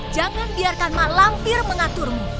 jangan biarkan mak lampir mengaturmu